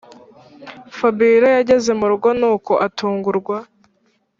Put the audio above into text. fabiora yageze murugo nuko atungurwa